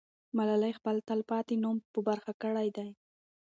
ملالۍ خپل تل پاتې نوم په برخه کړی دی.